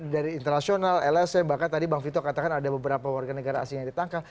dari internasional lsm bahkan tadi bang vito katakan ada beberapa warga negara asing yang ditangkap